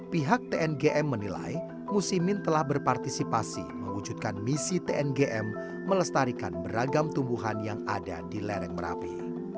pihak tng menilai musimin telah berpartisipasi mewujudkan misi tng melestarikan beragam tumbuhan yang ada di lereng merapi